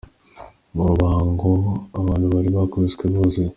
Mu Ruhango abantu bari bakubise buzuye.